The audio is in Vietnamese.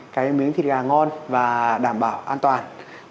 cái miếng thịt gà ngon và đảm bảo an toàn